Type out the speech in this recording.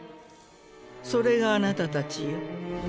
それがあなたたちよ。